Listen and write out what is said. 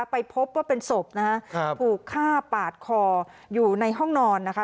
ไปพบว่าเป็นศพนะฮะถูกฆ่าปาดคออยู่ในห้องนอนนะคะ